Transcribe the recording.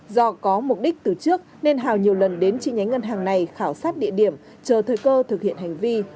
do có mục đích từ trước nên hào nhiều lần đến chi nhánh ngân hàng này khảo sát địa điểm chờ thời cơ thực hiện hành vi